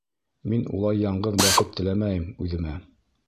— Мин улай яңғыҙ бәхет теләмәйем үҙемә.